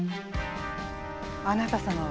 あなた様は？